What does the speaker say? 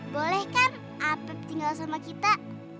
boleh kan atlet tinggal sama kita